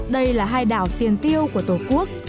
đây là hai đảo tiền tiêu của tổ quốc